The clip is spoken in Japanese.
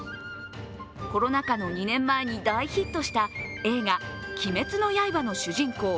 コロナ禍の２年前に大ヒットした映画「鬼滅の刃」の主人公